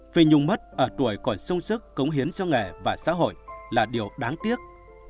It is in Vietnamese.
phi nhung mất ở tuổi còn sông sức cống hiến cho nghề và xã hội là điều đáng tiếc